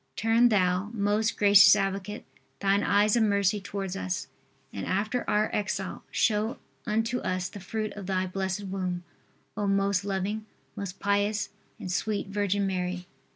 Turn thou, most gracious advocate, thine eyes of mercy towards us, and after our exile show unto us the fruit of thy blessed womb, O most loving, most pious and sweet virgin Mary.